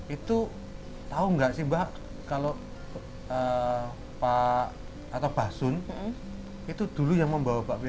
itu tahu nggak sih mbak kalau pak atau mbak sun itu dulu yang membawa bakpia ke jogja